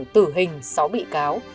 tử hình sáu bị cáo